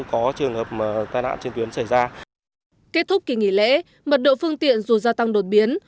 kết thúc kỳ nghỉ lễ mật độ phương tiện dù gia tăng đột biến